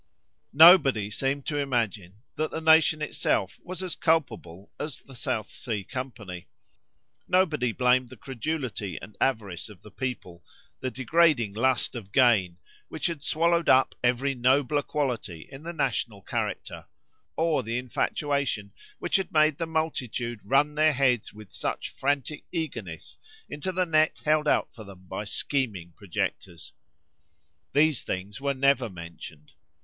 Nobody seemed to imagine that the nation itself was as culpable as the South Sea company. Nobody blamed the credulity and avarice of the people, the degrading lust of gain, which had swallowed up every nobler quality in the national character, or the infatuation which had made the multitude run their heads with such frantic eagerness into the net held out for them by scheming projectors. These things were never mentioned.